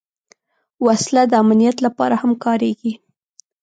وسله د امنیت لپاره هم کارېږي